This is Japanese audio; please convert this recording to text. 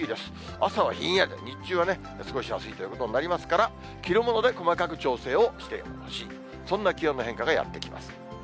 朝はひんやり、日中はね、過ごしやすいということになりますから、着るもので細かく調整をしてほしい、そんな気温の変化がやって来ます。